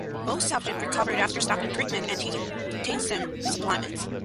Most subjects recovered after stopping treatment and taking potassium supplements.